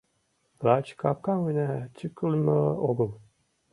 Лач капкам гына тӱкылымӧ огыл.